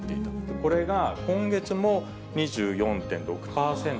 これが今月も２４．６％。